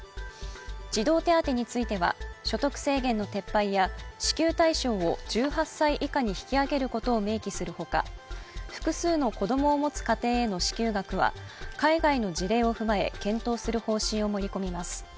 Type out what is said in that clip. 児童手当については所得制限の撤廃や支給対象を１８歳以下に引き上げることを明記するほか、複数の子供を持つ家庭への支給額は海外の事例を踏まえ検討する方針を盛り込みます。